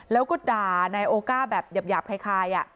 แล้วก็ด่านายโอก้าแบบหยาบคล้าย